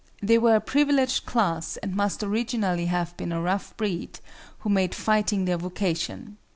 They were a privileged class, and must originally have been a rough breed who made fighting their vocation.